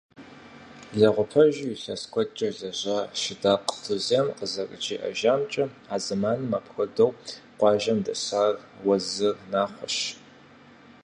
Лэгъупэжьу илъэс куэдкӏэ лэжьа Шыдакъ Тузем къызэрыджиӏэжамкӏэ, а зэманым апхуэдэу къуажэм дэсар Уэзыр Нахъуэщ.